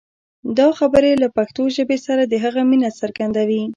دا خبرې له پښتو ژبې سره د هغه مینه څرګندوي.